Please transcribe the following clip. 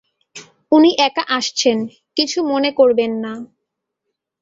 উনি একা আসছেন, কিছু মনে করবেন না।